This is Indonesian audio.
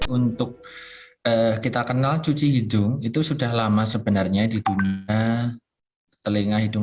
untuk kita kenal cuci hidung itu sudah lama sebenarnya di dunia telinga hidung